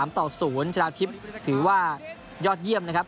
ต่อ๐ชนะทิพย์ถือว่ายอดเยี่ยมนะครับ